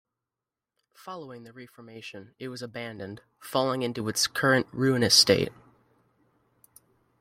Following the Reformation it was abandoned, falling into its current ruinous state.